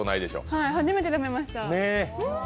はい、初めて食べました。